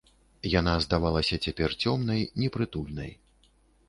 Яна здавалася цяпер цёмнай, непрытульнай.